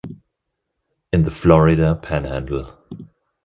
In the Florida panhandle.